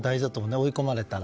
追い込まれたら。